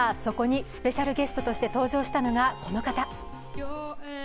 そこにスペシャルゲストとして登場したのが、この方。